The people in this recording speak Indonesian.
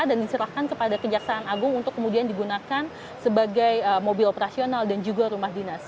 dan diserahkan kepada kejaksaan agung untuk kemudian digunakan sebagai mobil operasional dan juga rumah dinas